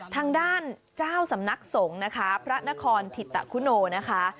ทางด้านเจ้าสำนักสงฆ์นะคะพระนครถิตคุโนนะคะ